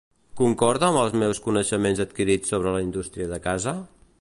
Concorda amb els meus coneixements adquirits sobre la indústria de casa?